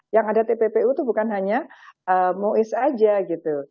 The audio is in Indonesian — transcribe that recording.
yang ada tppu itu bukan hanya mois ⁇ aja gitu